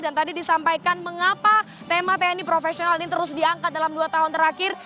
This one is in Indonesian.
dan tadi disampaikan mengapa tema tni profesional ini terus diangkat dalam dua tahun terakhir